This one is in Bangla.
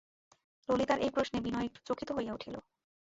ললিতার এই প্রশ্নে বিনয় একটু চকিত হইয়া উঠিল।